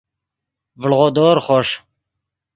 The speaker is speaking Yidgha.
ڤڑغودور خوݰ